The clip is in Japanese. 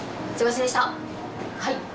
はい！